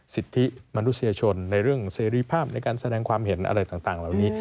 สิทธิมนุษยชนในเรื่องเสรีภาพในการแสดงความเห็นอะไรต่างเหล่านี้